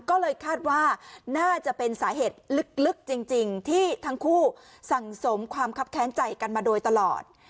ก็เลยคาดว่าน่าจะเป็นสาเหตุลึกจริงที่ทั้งคู่สั่งสมความคับแค้นใจกันมาโดยตลอด